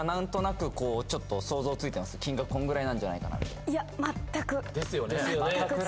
こんぐらいなんじゃないかなみたいな・ですよね